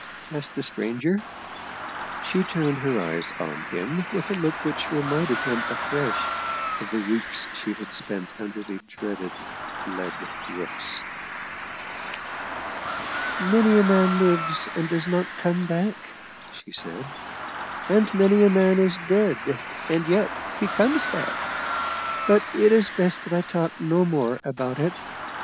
asked the stranger. She turned her eyes on him with a look which reminded him afresh of the weeks she had spent under the dreaded " lead roofs." " Many a man lives and does not come back," she said. " And many a man is dead and yet he comes back. But it's best that I talk no more about it.